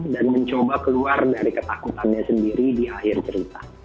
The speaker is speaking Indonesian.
dan mencoba keluar dari ketakutannya sendiri di akhir cerita